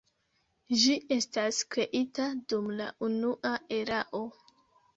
Ĝi estas kreita dum la Unua Erao.